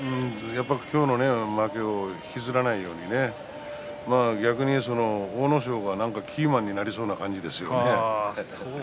今日の負けを引きずらないように、逆に阿武咲が何かキーマンになりそうですよ。